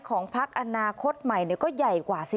พักอนาคตใหม่ก็ใหญ่กว่าสิ